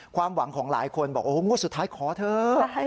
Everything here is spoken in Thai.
ความหวังของหลายคนบอกโอ้โหงวดสุดท้ายขอเถอะ